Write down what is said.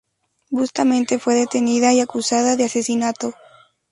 Bustamante fue detenida y acusada de asesinato.